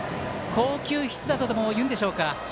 好球必打とでもいうんでしょうか。